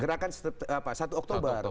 gerakan satu oktober